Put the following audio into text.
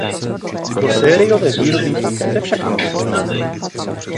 Do sériové výroby se však nedostal.